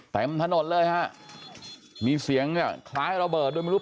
แต่มถนต์เลยฮะมีเสียงฮ่ะคล้ายรอเบิร์ดด้วยไม่รู้